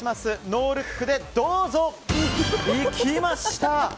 ノールックで、どうぞ！いきました！